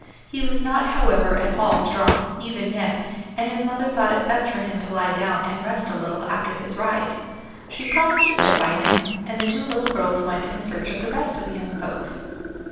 He was not, however, at all strong, even yet, and his mother thought it best for him to lie down and rest a little after his ride. She promised to sit by him, and the two little girls went in search of the rest of the young folks.